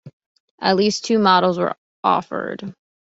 At least two models were offered.